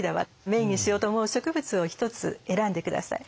メインにしようと思う植物を１つ選んでください。